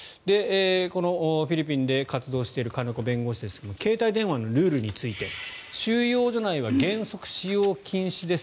このフィリピンで活動している金子弁護士ですが携帯電話のルールについて収容所内は原則、使用禁止です。